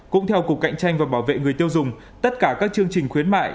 cũng theo cục cạnh tranh và bảo vệ người tiêu dùng tất cả các chương trình khuyến mại